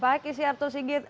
baik isi arthur sigit